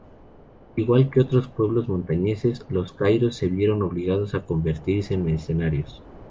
Igual que otros pueblos montañeses, los carios se vieron obligados a convertirse en mercenarios.